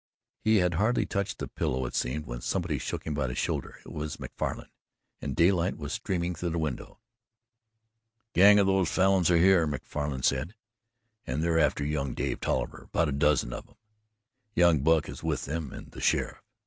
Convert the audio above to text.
He had hardly touched the pillow, it seemed, when somebody shook him by the shoulder. It was Macfarlan, and daylight was streaming through the window. "A gang of those Falins are here," Macfarlan said, "and they're after young Dave Tolliver about a dozen of 'em. Young Buck is with them, and the sheriff.